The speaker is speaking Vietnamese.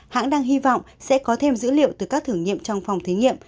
hãng đang hy vọng sẽ có thêm dữ liệu từ các thử nghiệm trong phòng thí nghiệm